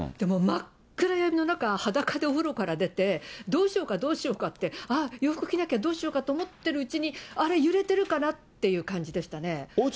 もう真っ暗闇の中、裸でお風呂から出て、どうしようか、どうしようかって、ああ、洋服着なきゃ、どうしようかと思っているうちに、あれ、揺れてるかなっていう感じでしたね。